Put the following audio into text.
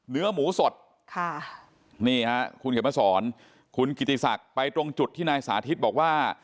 เนื้อหมูสดคุณเห็นว่าสอนคุณกฤทธิษักริย์ไปตรงจุดที่ที่นายสาธิตรบอกว่า